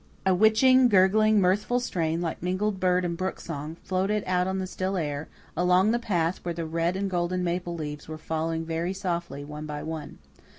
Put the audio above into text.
A witching, gurgling, mirthful strain, like mingled bird and brook song, floated out on the still air, along the path where the red and golden maple leaves were falling very softly, one by one.